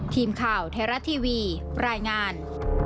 ทีมข่าวแฮร่าทีวีรายงาน